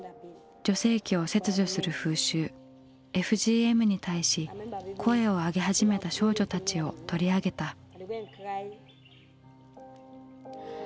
女性器を切除する風習ＦＧＭに対し声をあげ始めた少女たちを取り上げた。